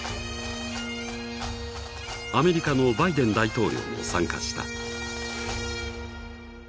アメリカのバイデン大統領も参加した。